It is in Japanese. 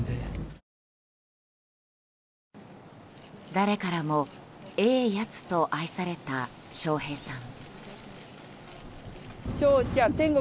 誰からもええやつと愛された笑瓶さん。